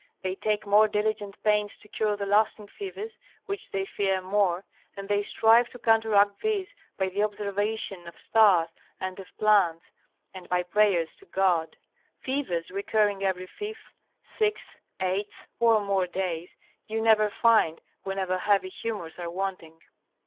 They take more diligent pains to cure the lasting fevers, which they fear more, and they strive to counteract these by the observation of stars and of plants, and by prayers to God. Fevers recurring every fifth, sixth, eighth or more days, you never find whenever heavy humors are wanting.